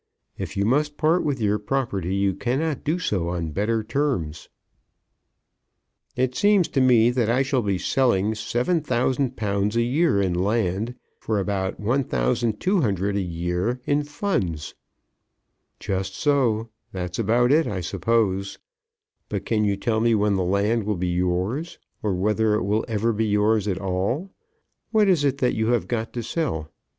If you must part with your property you cannot do so on better terms." "It seems to me that I shall be selling £7,000 a year in land for about £1,200 a year in the funds." "Just so; that's about it, I suppose. But can you tell me when the land will be yours, or whether it will ever be yours at all? What is it that you have got to sell?